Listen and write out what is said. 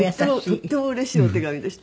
とてもうれしいお手紙でした。